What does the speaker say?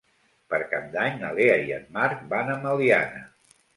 Per Cap d'Any na Lea i en Marc van a Meliana.